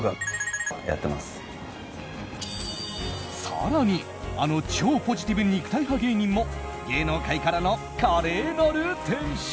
更にあの超ポジティブ肉体派芸人も芸能界からの華麗なる転身。